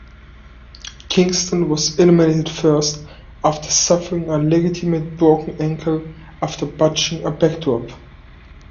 Kingston was eliminated first, after suffering a legitimate broken ankle, after botching a backdrop.